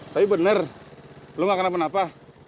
tapi bener lo gak kena penapa